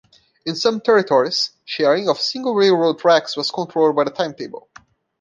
In some territories, sharing of single railroad tracks was controlled by the timetable.